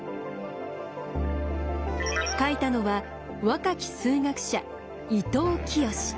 書いたのは若き数学者伊藤清。